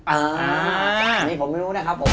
อันนี้ผมไม่รู้นะครับผม